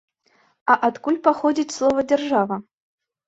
А адкуль паходзіць слова дзяржава?